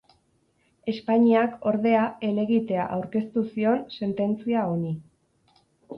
Espainiak, ordea, helegitea aurkeztu zion sententzia honi.